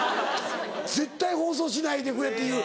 絶対放送しないでくれっていう。